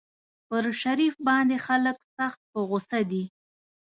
پر شریف باندې خلک سخت په غوسه دي.